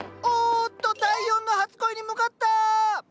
おっと第４の初恋に向かった！